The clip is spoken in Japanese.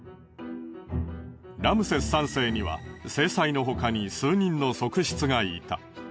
ラムセス３世には正妻のほかに数人の側室がいた。